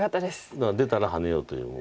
だから出たらハネようと。